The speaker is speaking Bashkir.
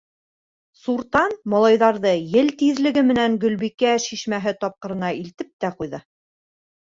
Суртан малайҙарҙы ел тиҙлеге менән Гөлбикә шишмәһе тапҡырына илтеп тә ҡуйҙы.